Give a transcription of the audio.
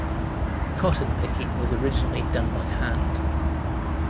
Cotton picking was originally done by hand.